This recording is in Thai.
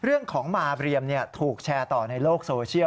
เรื่องของมาเรียมถูกแชร์ต่อในโลกโซเชียล